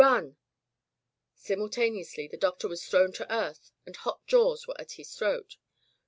Run!'* Simultaneously the Doctor was thrown to earth and hot jaws were at his throat.